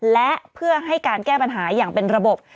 และเพื่อให้การแก้ปัญหาอย่างเป็นระบบ